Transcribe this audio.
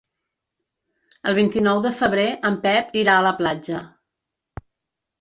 El vint-i-nou de febrer en Pep irà a la platja.